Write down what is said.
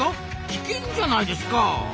危険じゃないですか！